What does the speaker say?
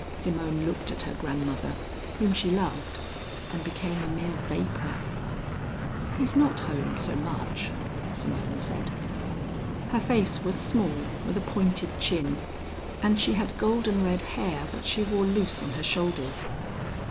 Simone looked at her grandmother, whom she loved, and became a mere vapor. "He's not home so much," Simone said. Her face was small, with a pointed chin, and she had golden red hair which she wore loose on her shoulders.